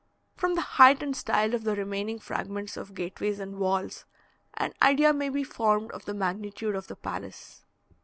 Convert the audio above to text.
From the height and style of the remaining fragments of gateways and walls, an idea may be formed of the magnitude of the palace.